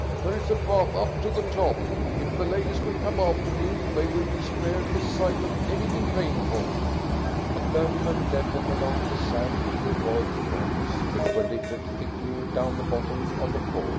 There is a path up to the top. If the ladies will come after me, they will be spared the sight of anything painful." The clergyman led them along the side to avoid the bodies which were littered thickly down the bottom of the khor.